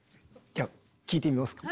じゃ聴いてみますか。